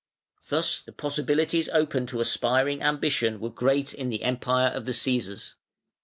Thus the possibilities open to aspiring ambition were great in the Empire of the Cæsars.